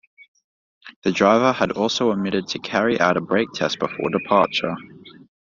The driver had also omitted to carry out a brake test before departure.